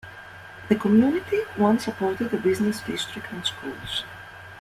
The community once supported a business district and schools.